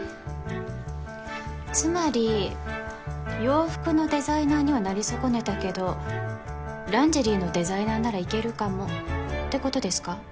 つまり洋服のデザイナーにはなり損ねたけどランジェリーのデザイナーならいけるかもってことですか？